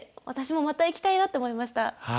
私もまた行きたいなって思いました。